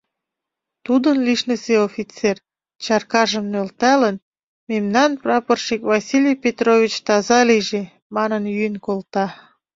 Тудын лишнысе офицер, чаркажым нӧлталын, «Мемнан прапорщик Василий Петрович таза лийже!» — манын, йӱын колта.